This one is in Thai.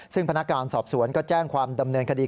ซึ่งพนักงานสอบสวนก็แจ้งความดำเนินคดี